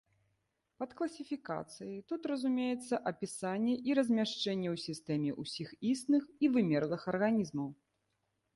Пад класіфікацыяй тут разумеецца апісанне і размяшчэнне ў сістэме ўсіх існых і вымерлых арганізмаў.